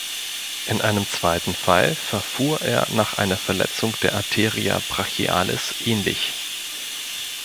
In einem zweiten Fall verfuhr er nach einer Verletzung der Arteria brachialis ähnlich.